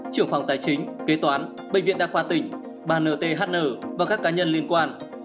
trưởng phòng tài chính kế toán bệnh viện đa khoa tỉnh bnthn và các cá nhân liên quan